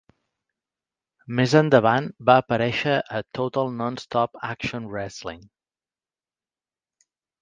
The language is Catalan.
Més endavant, va aparèixer a Total Nonstop Action Wrestling.